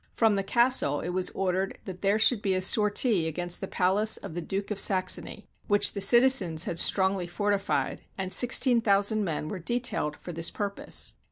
From the castle it was or dered that there should be a sortie against the palace of the Duke of Saxony, which the citizens had strongly fortified, and 16,000 men were detailed for this purpose.